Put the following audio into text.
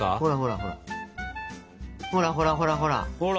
ほらほらほらほら！ほら！